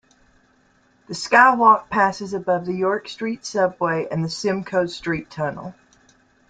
The SkyWalk passes above the York Street 'subway' and the Simcoe Street Tunnel.